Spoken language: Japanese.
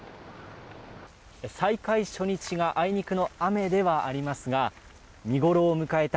再開初日があいにくの雨ではありますが見ごろを迎えた